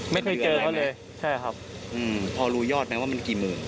ไม่เคยเจอเขาเลยใช่ครับพอรู้ยอดไหมว่ามันกี่หมื่น